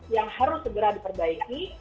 yang harus segera diperbaiki